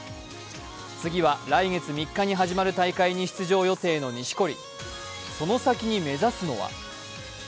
次は来月３日に始まる大会に出場予定の錦織。